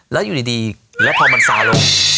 แล้วอยู่ดีแล้วพอมันซาลง